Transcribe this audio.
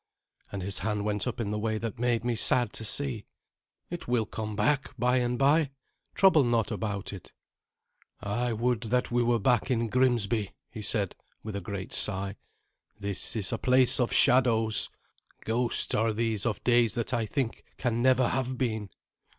And his hand went up in the way that made me sad to see. "It will come back by and by. Trouble not about it." "I would that we were back in Grimsby," he said, with a great sigh. "This is a place of shadows. Ghosts are these of days that I think can never have been."